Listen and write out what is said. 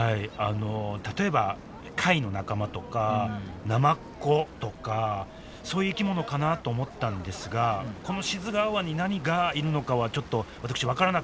例えば貝の仲間とかナマコとかそういう生き物かなと思ったんですがこの志津川湾に何がいるのかはちょっと私分からなくて。